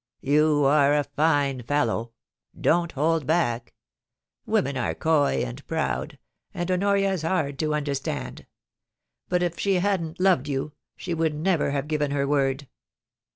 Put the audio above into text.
You are a fine fellow. Don't hold back. ^Vomen are coy and proud, and Honoria is hard to understand ; but if she hadn't loved you, she would never have given her word.